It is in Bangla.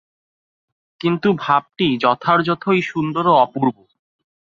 কিন্তু ভাবটি যথার্থই সুন্দর এবং অপূর্ব।